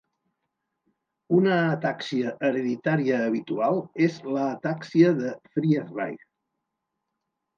Una atàxia hereditària habitual és l'atàxia de Friedreich.